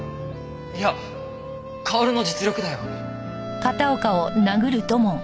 いや薫の実力だよ。